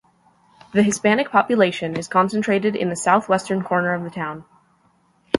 The Hispanic population is concentrated in the southwestern corner of the town.